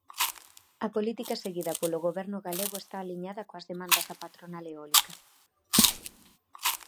A política seguida polo Goberno galego está aliñada coas demandas da patronal eólica.